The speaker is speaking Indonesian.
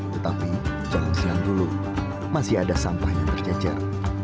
tetapi jangan sinar dulu masih ada sampah yang terjejer